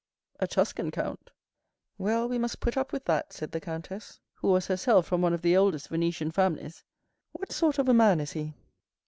"A Tuscan count." "Well, we must put up with that," said the countess, who was herself from one of the oldest Venetian families. "What sort of a man is he?"